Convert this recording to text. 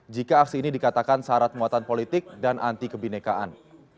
jika aksi ini dikatakan syarat muatan politik dan anti kebinekaan